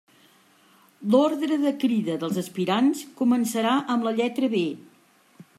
L'ordre de crida dels aspirants començarà amb la lletra B.